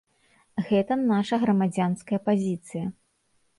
Гэта наша грамадзянская пазіцыя.